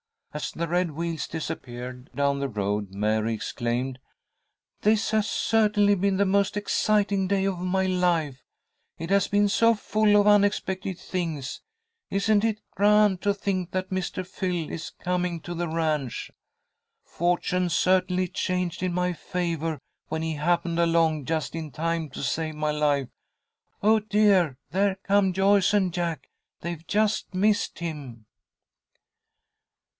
As the red wheels disappeared down the road, Mary exclaimed, "This has certainly been the most exciting day of my life! It has been so full of unexpected things. Isn't it grand to think that Mr. Phil is coming to the ranch? Fortune certainly changed in my favour when he happened along just in time to save my life. Oh, dear, there come Joyce and Jack! They've just missed him!"